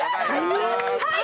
はい！